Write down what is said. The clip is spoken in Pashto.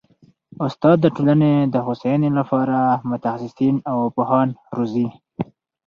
استاد د ټولني د هوسايني لپاره متخصصین او پوهان روزي.